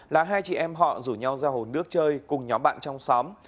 là hai chị em họ rủ nhau ra hồ nước chơi cùng nhóm bạn trong xóm